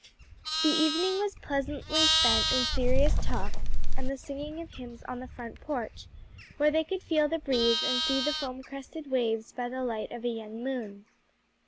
The evening was pleasantly spent in serious talk and the singing of hymns on the front porch, where they could feel the breeze and see the foam crested waves by the light of a young moon.